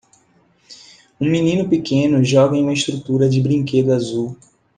Um menino pequeno joga em uma estrutura de brinquedo azul